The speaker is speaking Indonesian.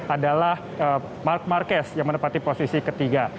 adalah mark marquez yang menempati posisi ketiga